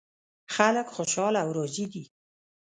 خلک خوشحال او راضي دي